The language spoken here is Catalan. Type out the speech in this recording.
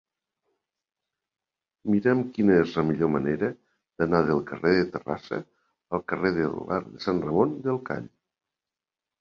Mira'm quina és la millor manera d'anar del carrer de Terrassa al carrer de l'Arc de Sant Ramon del Call.